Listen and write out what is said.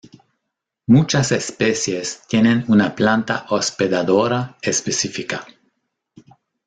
Muchas especies tienen una planta hospedadora específica.